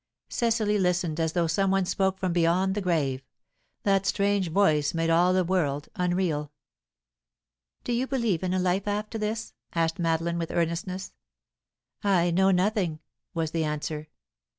Cecily listened as though some one spoke from beyond the grave; that strange voice made all the world unreal. "Do you believe in a life after this?" asked Madeline, with earnestness. "I know nothing," was the answer.